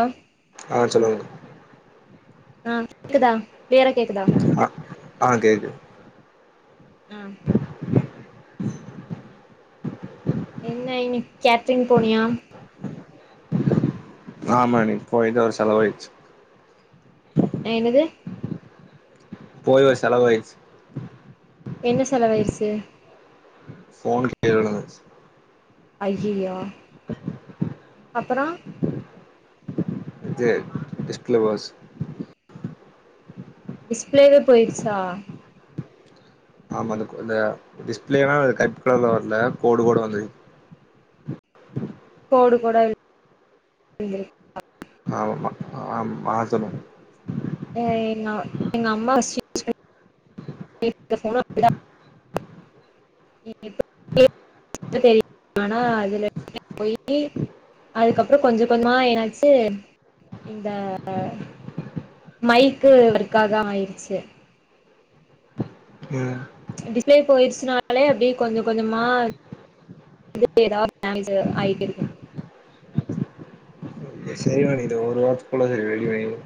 ஆ ஆ சொல்லுங்க அ க்குதா கிளியரா கேக்குதா அ ஆ கேக்குது ம் என்ன இன்னிக் கேட்ரிங் போனியா ஆமா இன்னைக்கி போய் தா ஒரு செலவாயிருச்சு என்னது போய் ஒரு செலவாயிருச்சு என்ன செலவாயிருச்சு ஃபோன் கீழ விழுந்துருச்சு ஐய்யைய்யோ அப்பறோ இது டிஸ்ப்ளே போச்சு டிஸ்ப்டளேவே போயிட்ச்சா ஆமா அந்த அந்த டிஸ்பிளேனா கருப்பு கலர்ல வாங்ன கோடு கோடா வந்துரு கோடு கோட இரு ஆமாம் ஆ மா சொல்லு ங்க எங்க அம்மா சி [unintelligible] தெரிய ஆனா அதுல [inaudible] போய அதுக்கப்புறம் கொஞ்சம் கொஞ்சமா என்னாச்சு இந்த மைக்கு ஒர்க்காம் ஆய்டுச்சு ம் டிஸ்பிளே போயிட்ச்சினாலே அப்டியே கொஞ்சம் கொஞ்சமா இது ஏதாவ் ஹேங்கு ஆயிட்டே இருக்கும் சரிபண்ணி இந்த ஒரு வாரத்துக்குள்ள சரிபண்ணி வேங்கொ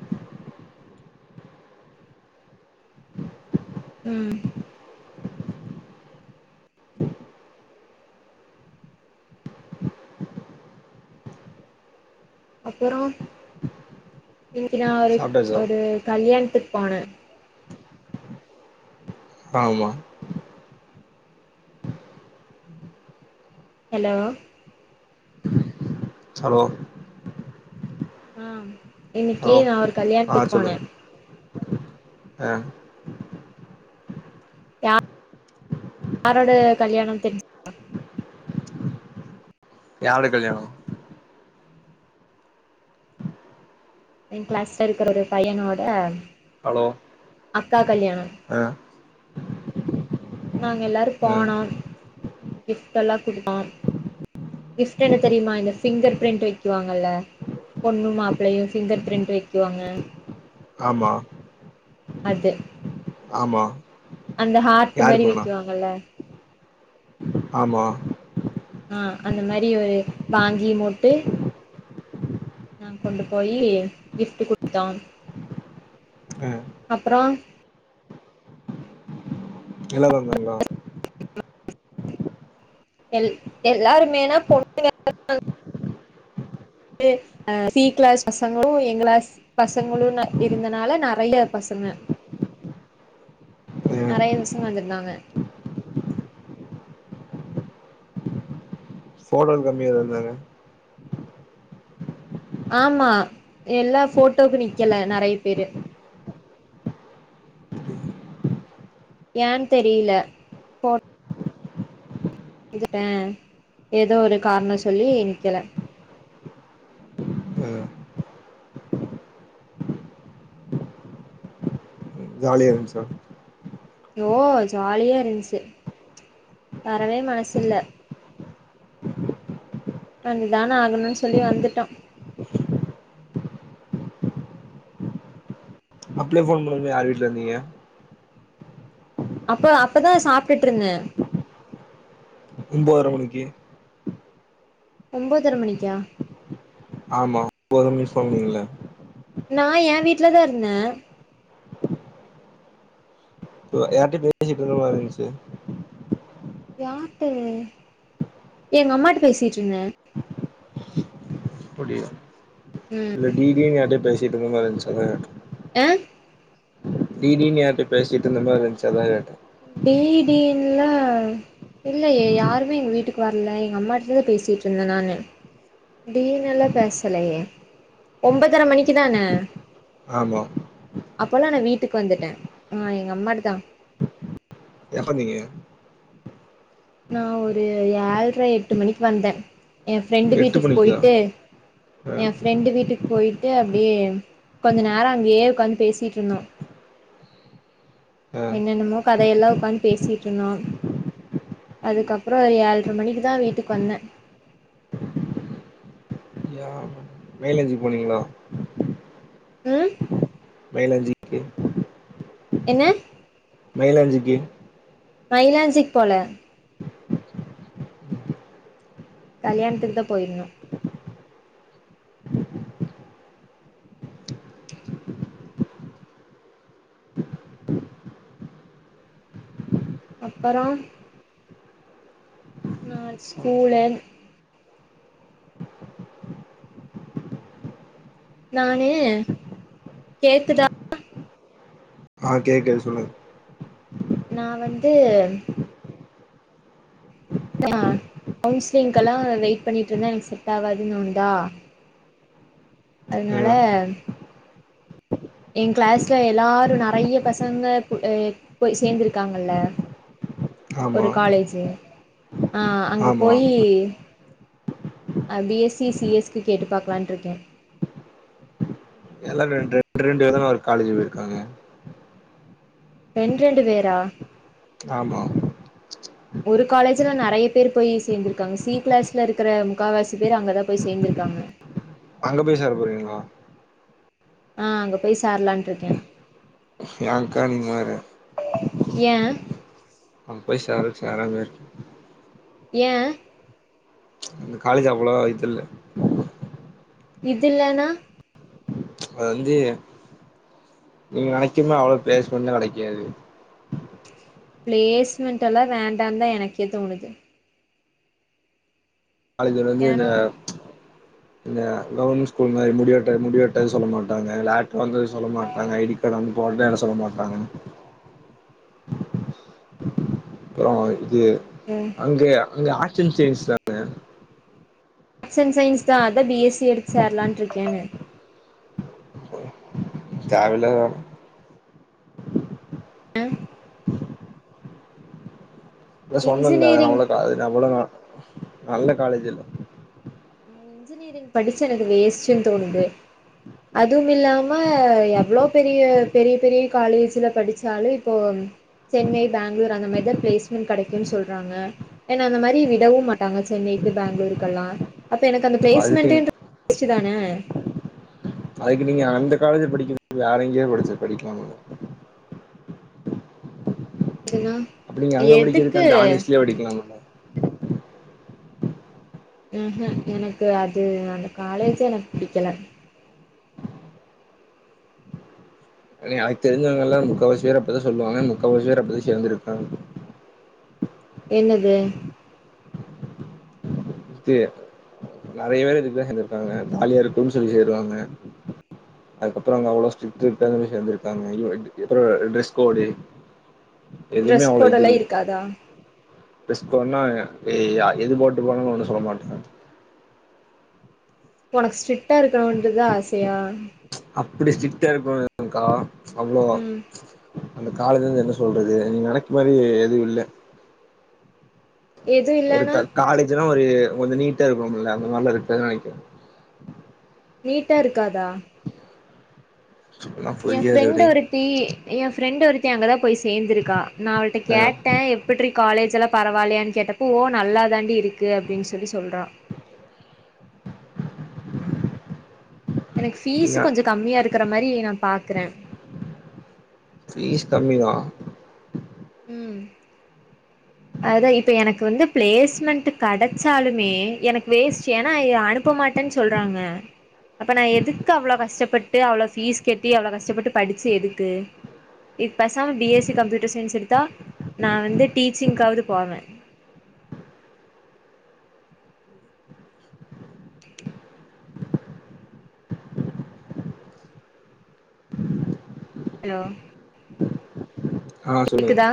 ம் அப்பறோ இன்னைக்கு நா ஒரு சாப்ட்டாச்சா ஒரு கல்யணத்துக்கு போன ஆமா ஹலோ ஹலோ ஆ இன்னைக்கி ஹலோ நா ஒரு ஆ கல்யாண்திக் சொல்லு போன ஆ ஆரோட கல்யாணம் தெரிஞ் யாருக் கல்யாணோ என் கிளாஸ்ல இருக்கறோட பையனோட ஹலோ அக்கா கல்யாணோ ஆ நாங்க எல்லாரு ம் போனோ கிஃப்டல்லா குடுப் போ கிஃப்ட் என்ன தெரியுமா இந்த ஃபிங்கர் பிரிண்ட் வைக்குவாங்கல்ல பொண்ணு மாப்பிளையும் ஃபிங்கர் பிரிண்ட் வைக்குவாங்க ஆமா அது ஆமா அந்த ஹார்ட் யார் மேரி வே பொண்ணா வெக்குவாங்கல்ல ஆமா ஆ அந்த மேரி ஒரு வாங்கி மொடடு நா கொண்டு போயி கிஃப்ட் குடுத்தோம் ம் அப்பறோ எல்லாரு வந்தாங்களா எல் எல்லாருமேனா பொண்ணுங்க மட் ட்டு அ சி கிளாஸ் பசங்களும் எங் கிளாஸ் பசங்களும் ற இருந்தனால நறைய பசங்க ம் நறைய பசங்க வந்துருந்தாங்க ஃபோட்டோல கம்மியா இருந்தாங்க ஆமா எல்லா போட்டோக்கு நிக்கில நறைய பேரு ஏன் தெரியில இதுட்ட ஏதோ ஒரு காரண சொல்லி நிக்கல ம் ஜாலிய இருந் சா நோ ஜாலியா இருந்ச்சு வரவே மசில்ல வந்துதான ஆகணுன் சொல்லி வந்துட்டோம் அப்ளே போன் பண்ணமோ யார் வீட்ல இருந்தீங்க அப்ப அப்பதான் சாப்ட்டுட் ரிந்த ஒம்பதுர மணிக்கு ஒம்பதர மணிக்கா ஆமா ஒரு நிமிஷன்னீங்களே நா எ வீட்லதா இருந்த யார்டயோ பேசிட்டு இருந்த மாரி இருந்துச்சு யார்ட்ட எங்க அம்மாட்ட பேசிட்டு இருந்த அப்படியா ம் இல்ல டி டினு யார்ட்டயோ பேசிட்டு இருந்த மாரி இருந்துச்சு அதா கேட்ட அ டி டினு யார்ட்ட பேசிட்டு இருந்த மாரி இருந்துச்சு அதான் கேட்ட டி டி ன்னா இல்லயே யாருமே எங்க வீட்டுக்கு வரல எங்க அம்மாட்டதா பேசிட்டு இருந்த நானு டி னல்லா பேசலயே ஒன்பதர மணிக்குதான ஆமா அப்பல்லா நா வீட்டுக்கு வந்துட்ட ஆ எங்க அம்மாட்டதா எப்ப நீங்க நா ஒரு ஏழ்ர எட்டு மணிக்கு வந்த என் ஃப்ரெண்டு எட்டு வீட்டுக்கு மணிக்கா போய்ட்டு ஆ என் ஃப்ரெண்டு வீட்டுக்கு போய்ட்டு அப்படியே கொஞ்சோ நேர அங்கேயே உக்காந்து பேசிட்டு இருந்தோ ஆ என்னென்னமோ கதையெல்லா உக்காந்து பேசிட்ருந்தோ அதுக்கப்பற ஒரு ஏழ்ர மணிக்குதா வீட்டுக்கு வந்த அப்டியா வே கே எப் சி போனீங்களோ ம் மைலாஞ்சி என்ன மயிலாஞ்சிக்கு மயிலாசிக்கு போல கல்யாணத்துக்குதா போய்ருந்தோ அப்பற நான் ஸ்கூலன் நானு கேக்குதா ஆ கேக்குது சொல்லுங்க நா வந்து நா கவுன்சிலிங்க்கெல்லா வெய்ட் பண்ணிட்டு இருந்த எனக்கு செட் ஆகாதுன்னு தோணுதா ஆ அதனால என் கிளாஸ்ல எல்லாரு நெறைய பசங்க போய் சேந்துருக்காங்கல்ல ஆமா ஒரு காலேஜ் ஆ அங்க ஆமா போயி அப்டியே சி சி எஸ் க்கு கேட்டு பாக்கலான்ட்டு இருக்கே எல்லாரு ரெண்டு ரெண்டு விதமா ஒரு காலேஜ் போயிருக்காங்க ரெண்டு ரெண்டு பேரா ஆமா ஒரு காலேஜ்ல நெறைய பேர் போய் சேர்ந்துருக்காங்க சி கிளாஸ்ல இருக்கிற முக்கால்வாசி பேர் அங்கதா போய் சேந்திருக்காங்க அங்க போய் சேரபோறீங்களா ஆ அங்க போய் சேரலான் இருக்க ஏன்க்கா நீங்க வேற ஏன் அங்க போய் சேர்றதுக்கு சேராமயே இருக்கலா ஏன் இந்த காலேஜ் அவ்ளவா இது இல்ல இதுல்லன்னா வந்தே நீங்க நனைக்குமா அவ்ளோ பெலேஸ்மெண்ட்லாம் கெடைக்காது பிளேஸ்மெண்ட் எல்லா வேண்டாந் தான் எனக்கே தோணுது காலேஜ்ல வந்து இந்த ஏனா இந்த கவர்மெண்ட் ஸ்கூல் மாரி முடிவெட்ட முடிவெட்ட சொல்ல மாட்டாங்க லாட்டாவந்து சொல்ல மாட்டாங்க ஐடி கார்டு வந்து போட்டா என்ன சொல்ல மாட்டாங்க அப்றோ இது எனக்கு அங்கேய அங்க ஆர்ட் அன் சயின்ஸ் தாங்க ஆர்ட் அண் சயின்ஸ் தா அதா பி எஸ் சி எடுச்சேரலான்ட்டு இருக்கேங்க தேவயில்லாத வேல நா சொன்னல்ல இன்ஜினியரிங் அந்த காலேஜ் நல்ல கா நல்ல காலேஜ் இல்ல இன்ஜினியரிங் படிச்சு எனக்கு வேஸ்டுன்னு தோணுது அதும் இல்லாம எவ்ளோ பெரிய பெரிய பெரிய காலேஜ்ல படிச்சாலே இப்போ சென்னை பெங்களூர் அந்த மேரி தான் பிளேஸ்மெண்ட் கடைக்குன்னு சொல்றாங்க என்ன அந்த மாரி விடவும் மாட்டாங்க சென்னைக்கு பெங்களூருக்கல்லாம் அப்போ எனக்கு அந்த அதுக்கு ப்ளேஸ்மெண்ட்டுன்றது வேஸ்ட்டு தான அதுக்கு நீங்க அந்த காலேஜ் படிக்க வேற எங்கயோ படிச்சு படிக்கலாம்ல [unintelligible] அப்டி நீங்க அங்க படிக்குறதுக்கு எதுக்கு அந்த ஆனிஸ்லயே படிக்கலாம்ல உஹீம் எனக்கு அது அந்த காலேஜே எனக்கு பிடிக்கல நீ அது தெரிஞ்சவங்கல்லாம் முக்காவாசி பேர் அப்டிதான் சொல்வாங்க முக்கால் வாசிபேர் அப்டிதான் சேர்ந்திருக்காங்க என்னது த்தி நறையா பேர் இதுக்குதான் சேந்துருக்காங்க ஜாலியா இருக்கும் சொல்லி சேருவாங்க அதுக்கப்பறோ அங்க அவ்ளோ ஸ்ட்ரிட்டு [unintelligible] சேந்திருக்காங்க ஐய்யோ ரெண்டு எ அப்பறோ எ டிரெஸ் கோடு எதுமே ட்ரெஸ் அவ்ளோ இது கோடெல்லா இல்ல இருக்காதா டிரஸ் கோடுனா எ அ எது போட்டு போனாலும் ஒண்ணும் சொல்ல மாட்டாங்க உனக்கு ஸ்ட்ரிக்டா இருக்கணும்ன்றதுதான் ஆசையா அப்டி ஸ்ட்ரிக்டா இருக்கனும் இல்லகா அவ்ளோ ம் அந்த காலைய என்ன சொல்றது நீங்க நினைக்கு மாரி எதும் இல்ல எது ஒரு இல்லன்னா கா காலேஜ்ல்லாம் ஒரு கொஞ்சோ நீட்டா இருக்கும்ல அந்த மார்லா இருக்காதுன்னு நினைக்குற நீட்டா இருக்காதா இப்பல்லா என் புரியாது ஃப்ரெண்டு அப்டி ஒருத்தி என் ஃப்ரெண்டு ஒருத்தி அங்க தான் போய் சேர்ந்துருக்கா நான் அவள்ட்ட ஆ கேட்டேன் எப் எப்பட்ரி காலேஜ்லாம் பரவாலையான்னு கேட்டப்ப ஓ நல்லா தாண்டி இருக்கு அப்டின்னு சொல்லி சொல்றா எனக்கு ஃபீஸ் நீங்க கொஞ்சோ கம்மியா இருக்கிற மாரி நா பாக்குற ஃபீஸ் கம்மிதா ம் அதான் இப்ப எனக்கு வந்து பிளேஸ்மெண்ட் கிடைச்சாலுமே எனக்கு வேஸ்ட் ஏன்னா ஐஅனு ப்ப மாட்டேன்னு சொல்றாங்க அப்ப நான் எதுக்கு அவ்ளோ கஷ்டப்பட்டு அவ்ளோ ஃபீஸ் கெட்டி அவ்ளோ கஷ்டப்பட்டு படிச்சு எதுக்கு இ பெசாம B S C computer science எடுத்தா நான் வந்து டீச்சிங்க்காவது போவே ஹலோ ஆ சொல்லுங்க கேக்குதா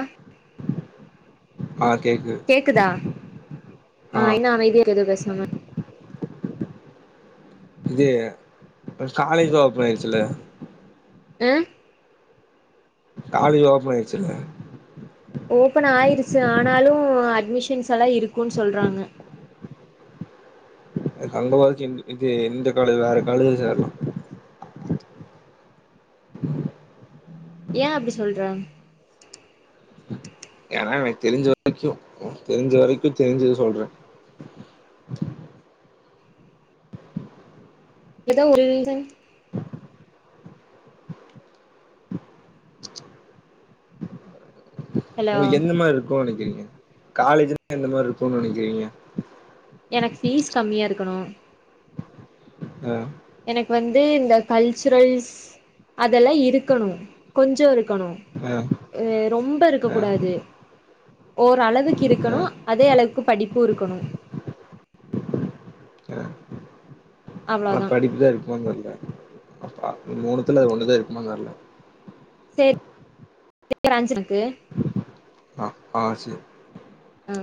ஆ கேக்குது கேக்குதா ஆ இன்னா அமைதியா எது பேஸ் இது இ இப்ப காலேஜ்ல ஓப்பன் ஆய்டுச்சல்ல ம் காலேஜ் ஓபன் ஆய்டுச்சுல ஓப்பன் ஆய்டுச்சு ஆனாலும் அட்மிஷன்ஸ் எல்லாம் இருக்கும்ன்னு சொல்றாங்க அங்க ஒர்த் இல் இஇ இந்த காலேஜ் இல்ல வேற காலேஜ்ல சேரலாம் ஏ அப்டி சொல்ற ஏன்னா எனக் தெரிஞ்ச வரைக்கும் தெரிஞ்ச வரைக்கும் தெரிஞ்சத சொல்ற எதோ ஒரு இல் தா ஹலோ உங்ளுக் எந்த மார்ருக்கு நெனைக்கறீங்க காலேஜ்ன்னா எந்த மார்ருக்குனு நெனக்கறீங்க எனக்கு ஃபீஸ் கம்மியா இருக்கணு ஆ எனக்கு வந்து இந்த கல்ச்சுரல்ஸ் அதெல்லா இருக்கணு கொஞ்சோ இருக்கணு ஆ அ ரொம்ப ஆ இருக்கக்கூடாது ஓரளவுக் ஆ இருக்கணு அதே அளவுக்கு படிப்பு இருக்கணு ஆ ஆனா அவ்ளோதா படிப்பு தா இருக்குமாந்தெர்ல அப்ப மூணுத்துல ஒன்னுதா இருக்குமாந்தெர்ல [inaudible] சேன்ஸ் இருக்கு ஆ செரி ஆ